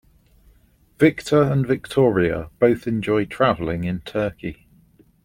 Victor and Victoria both enjoy traveling in Turkey.